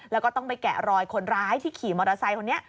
แล้วก็ต้องไปแกะรอยคนร้ายที่ขี่มอเตอร์ไซค์คนนี้